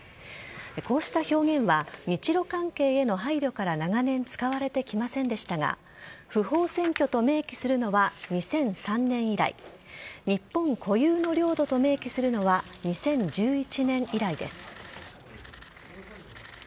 こうした表現は日ロ関係への配慮から長年使われてきませんでしたが不法占拠と明記するのは２００３年以来日本固有の領土と明記するのは２０１１年以来です。